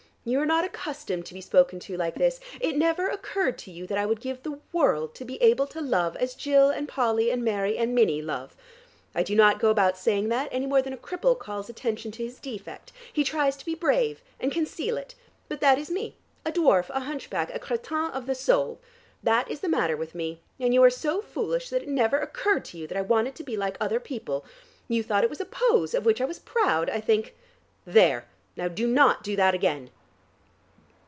You are not accustomed to be spoken to like this. It never occurred to you that I would give the world to be able to love as Jill and Polly and Mary and Minnie love. I do not go about saying that any more than a cripple calls attention to his defect: he tries to be brave and conceal it. But that is me, a dwarf, a hunchback, a crétin of the soul. That is the matter with me, and you are so foolish that it never occurred to you that I wanted to be like other people. You thought it was a pose of which I was proud, I think. There! Now do not do that again."